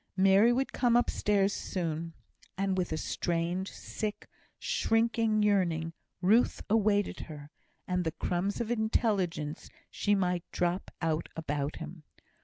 Mary would come upstairs soon; and with a strange, sick, shrinking yearning, Ruth awaited her and the crumbs of intelligence she might drop out about him.